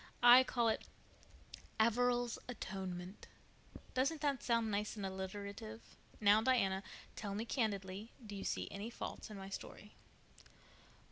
I call it Averil's atonement. Doesn't that sound nice and alliterative? Now, Diana, tell me candidly, do you see any faults in my story?"